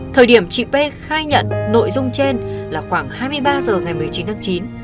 thời điểm chị p khai nhận nội dung trên là khoảng hai mươi ba h ngày một mươi chín tháng chín